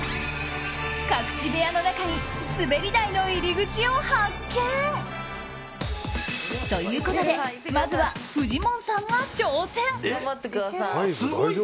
隠し部屋の中に滑り台の入り口を発見。ということでまずはフジモンさんが挑戦。